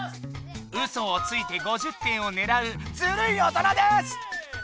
ウソをついて５０点をねらうずるい大人です！